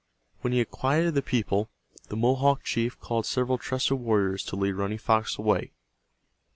When he had quieted the people, the Mohawk chief called several trusted warriors to lead Running Fox away.